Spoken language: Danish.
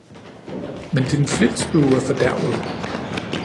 Men din flitsbue er fordærvet!